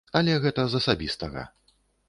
Але гэта з асабістага.